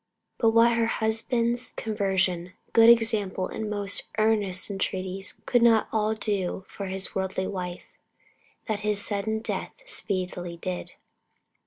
But what her husband's conversion, good example, and most earnest entreaties could not all do for his worldly wife, that his sudden death speedily did.